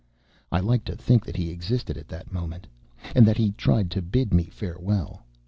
I like to think that he existed at that moment, and that he tried to bid me farewell.